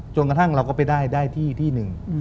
จนกระทั่งเราก็ไปได้ที่ที่หนึ่ง